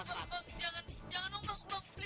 jangan jangan jangan